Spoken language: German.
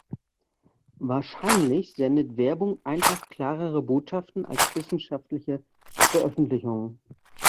Wahrscheinlich sendet Werbung einfach klarere Botschaften als wissenschaftliche Veröffentlichungen.